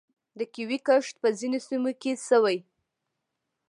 د کیوي کښت په ځینو سیمو کې شوی.